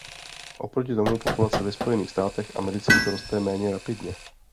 Oproti tomu populace ve Spojených státech amerických roste méně rapidně.